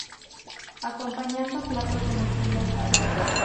Acompañando platos de morcilla asada.